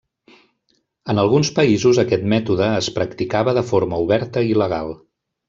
En alguns països aquest mètode es practicava de forma oberta i legal.